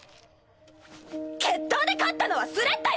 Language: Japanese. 決闘で勝ったのはスレッタよ！